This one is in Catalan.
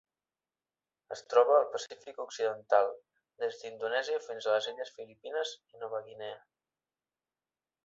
Es troba al Pacífic occidental: des d'Indonèsia fins a les illes Filipines i Nova Guinea.